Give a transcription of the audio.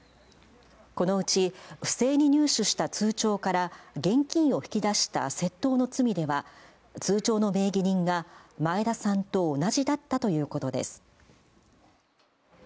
このうち不正に入手した通帳から、現金を引き出した窃盗の罪では、通帳の名義人が前田さんと同じだったということです。